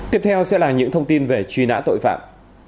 tiếp theo sẽ là những thông tin về truy nã tội phạm